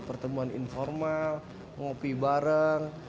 pertemuan informal ngopi bareng